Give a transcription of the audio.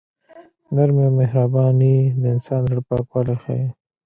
نرمي او مهرباني د انسان د زړه پاکوالی ښيي.